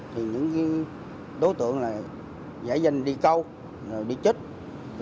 thì những cái đối tượng là giải danh đi câu đi chích